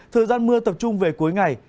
thời gian mưa tập trung về cuối ngày